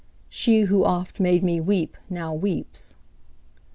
She who oft made me weep Now weeps.